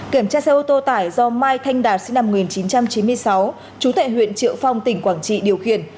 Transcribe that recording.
kiểm tra xe ô tô tải do mai thanh đạt sinh năm một nghìn chín trăm chín mươi sáu trú tại huyện triệu phong tỉnh quảng trị điều khiển